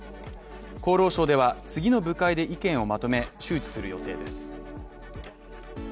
厚労省では、次の部会で意見をまとめ、周知する予定です。